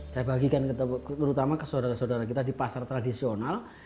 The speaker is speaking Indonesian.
saya bagikan terutama ke saudara saudara kita di pasar tradisional